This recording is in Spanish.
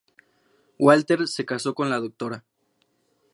Walter se casó con la Dra.